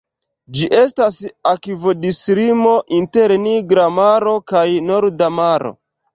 Ĝi estas akvodislimo inter Nigra Maro kaj Norda Maro.